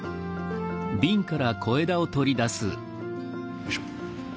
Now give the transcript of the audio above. よいしょ。